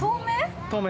透明？